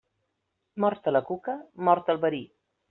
Morta la cuca, mort el verí.